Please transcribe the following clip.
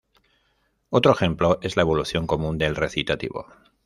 Otro ejemplo es la evolución común del recitativo.